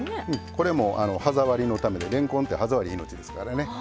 これも歯触りのためでれんこんって歯触り命ですからね。